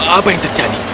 apa yang terjadi